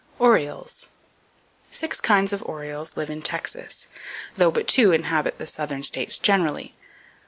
Orioles. —Six kinds of orioles live in Texas, though but two inhabit the southern states generally.